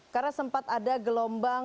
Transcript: karena sempat ada gelombang tinggi